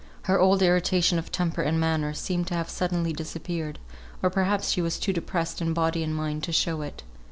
Her old irritation of temper and manner seemed to have suddenly disappeared, or perhaps she was too depressed in body and mind to show it.